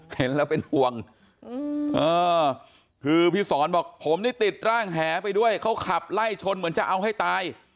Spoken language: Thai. เห็นแล้วเป็นห่วงคือพี่สอนบอกผมนี่ติดร่างแหไปด้วยเขาขับไล่ชนเหมือนจะเอาให้ตาย